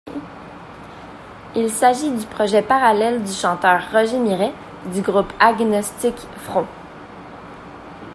Il s'agit du projet parallèle du chanteur Roger Miret, du groupe Agnostic Front.